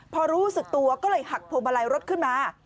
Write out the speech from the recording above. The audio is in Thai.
พอรู้สึกตัวก็เลยหักพวงมาลัยรถขึ้นมา